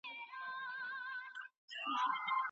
ژورنالیزم پوهنځۍ په چټکۍ نه ارزول کیږي.